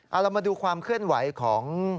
เอาเรามาดูความเคลื่อนไหวของ